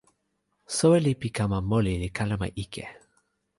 soweli pi kama moli li kalama ike.